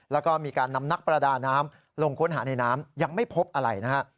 แล้วก็มีการนำนักประดาน้ำลงค้นหาในน้ำยังไม่พบอะไรนะฮะ